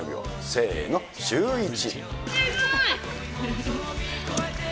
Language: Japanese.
せーのシューイチ。